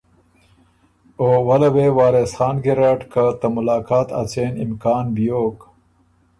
او ولّه وې وارث خان ګیرډ که ته ملاقات اڅېن امکان بیوک